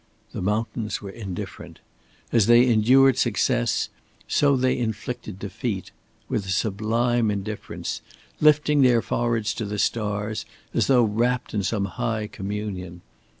The mountains were indifferent. As they endured success, so they inflicted defeat with a sublime indifference, lifting their foreheads to the stars as though wrapt in some high communion.